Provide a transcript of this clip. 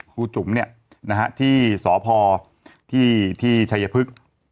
ครูจุ๋มที่สพที่ชัยพฤกษ์